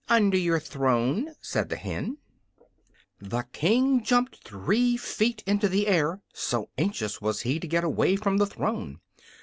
"Under your throne," said the hen. The King jumped three feet into the air, so anxious was he to get away from the throne.